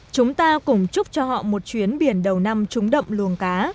chúng ta cùng chúc cho họ một chuyến biển đầu năm trúng đậm luồng cá